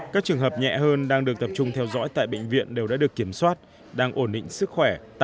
các trường hợp nhẹ hơn đang được tập trung theo dõi tại bệnh viện đều đã được kiểm soát đang ổn định sức khỏe